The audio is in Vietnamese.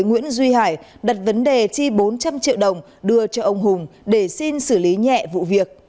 nguyễn duy hải đặt vấn đề chi bốn trăm linh triệu đồng đưa cho ông hùng để xin xử lý nhẹ vụ việc